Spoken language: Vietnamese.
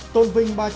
tiếp theo chương trình